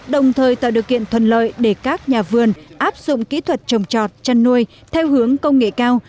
đồng thời tạo điều kiện thuận lợi để các nhà vườn áp dụng kỹ thuật trồng trọt chăn nuôi theo hướng công nghệ cao